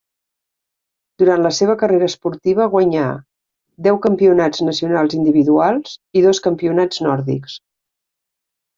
Durant la seva carrera esportiva guanyà deu campionats nacionals individuals i dos campionats nòrdics.